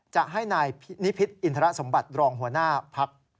จะให้นายนิพิษอินทรสมบัติรองหัวหน้าพัก